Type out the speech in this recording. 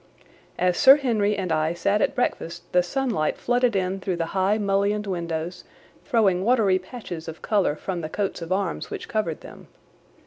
As Sir Henry and I sat at breakfast the sunlight flooded in through the high mullioned windows, throwing watery patches of colour from the coats of arms which covered them.